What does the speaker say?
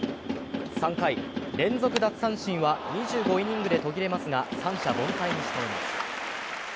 ３回、連続奪三振は２５イニングで途切れますが、三者凡退に仕留めます。